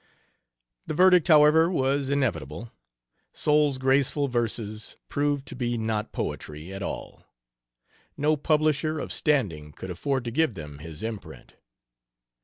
The verdict, however, was inevitable. Soule's graceful verses proved to be not poetry at all. No publisher of standing could afford to give them his imprint.